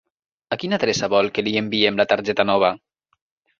A quina adreça vol que li enviem la targeta nova?